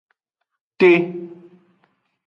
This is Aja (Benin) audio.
Te.